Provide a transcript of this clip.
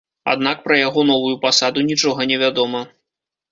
Аднак пра яго новую пасаду нічога невядома.